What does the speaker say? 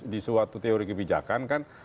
di suatu teori kebijakan kan